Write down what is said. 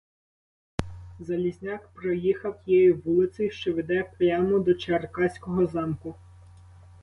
Залізняк проїхав тією вулицею, що веде прямо до черкаського замку.